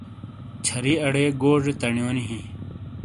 چھَری اڑے گوزے تنیونی ہِیں۔